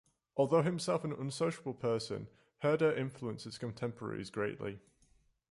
Although himself an unsociable person, Herder influenced his contemporaries greatly.